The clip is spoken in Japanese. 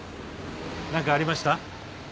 何かありました？